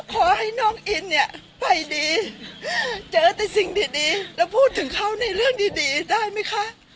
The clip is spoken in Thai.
ขอให้น้องอินเนี่ยไปดีเจอแต่สิ่งดีแล้วพูดถึงเขาในเรื่องดีได้ไหมคะ